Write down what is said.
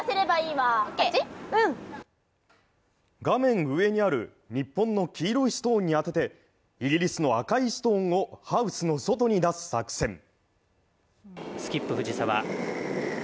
画面上にある日本の黄色いストーンに当ててイギリスの赤いストーンをハウスの外に出す作戦。